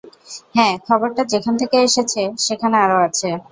হ্যাঁ, খবরটা যেখান থেকে এসেছে সেখানে আরও আছে।